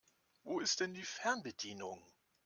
Wo ist denn die Fernbedienung?